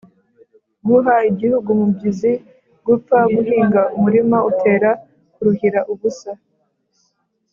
guha igihugu umubyizi: gupfa; guhinga umurima utera, kuruhira ubusa